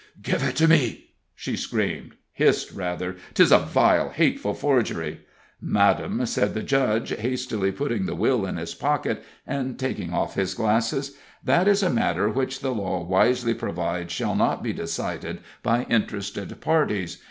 "Give it to me!" she screamed hissed, rather; "'tis a vile, hateful forgery!" "Madame," said the judge, hastily putting the will in his pocket, and taking off his glasses, "that is a matter which the law wisely provides shall not be decided by interested parties.